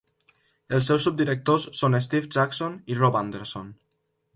Els seus subdirectors són Steve Jackson i Rob Anderson.